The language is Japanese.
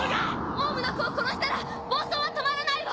王蟲の子を殺したら暴走は止まらないわ！